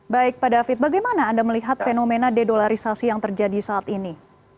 baik pak david bagaimana anda melihat fenomena dedolarisasi yang terjadi saat ini